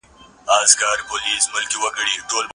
د برکتونو مياشت